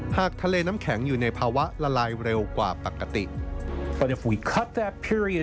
ทะเลน้ำแข็งอยู่ในภาวะละลายเร็วกว่าปกติ